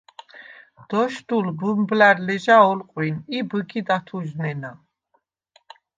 დოშდულ ბუმბლა̈რ ლეჟა ოლყვინ ი ბჷგიდ ათუჟნენა.